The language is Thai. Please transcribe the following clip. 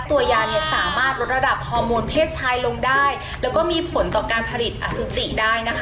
ตัวยาเนี่ยสามารถลดระดับฮอร์โมนเพศชายลงได้แล้วก็มีผลต่อการผลิตอสุจิได้นะคะ